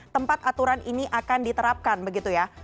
tempat aturan ini akan diterapkan begitu ya